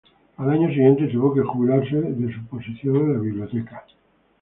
Al año siguiente tuvo que jubilarse de su posición en la Biblioteca.